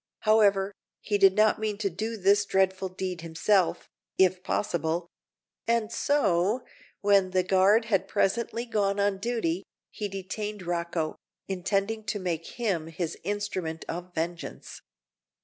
However, he did not mean to do this dreadful deed himself, if possible; and so, when the guard had presently gone on duty, he detained Rocco, intending to make him his instrument of vengeance.